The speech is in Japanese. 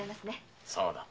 そうだ。